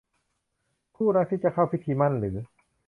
คู่รักที่จะเข้าพิธีหมั้นหรือ